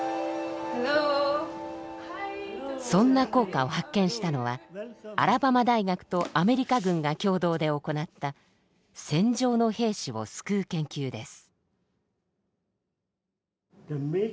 そんな効果を発見したのはアラバマ大学とアメリカ軍が共同で行った戦場の兵士を救う研究です。